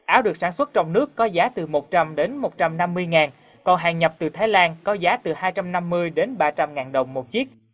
áo được sản xuất trong nước có giá từ một trăm linh đến một trăm năm mươi ngàn còn hàng nhập từ thái lan có giá từ hai trăm năm mươi đến ba trăm linh ngàn đồng một chiếc